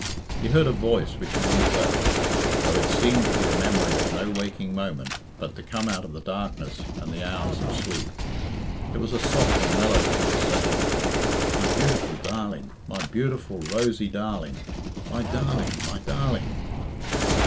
He heard a voice which he knew well, though it seemed to be a memory of no waking moment, but to come out of the darkness and the hours of sleep. It was a soft and mellow voice, saying, "My beautiful darling! My beautiful, rosy darling I My darling! My darling!"